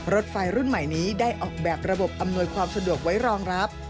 รถไฟรุ่นใหม่นี้ได้ออกแบบระบบอำนวยความสะดวกไว้รองรับ